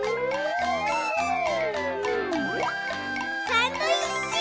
サンドイッチ！